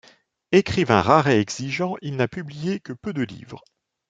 Écrivain rare et exigeant, il n'a publié que peu de livres.